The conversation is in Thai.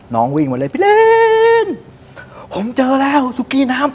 วิ่งมาเลยพี่เลนผมเจอแล้วตุ๊กกี้น้ำ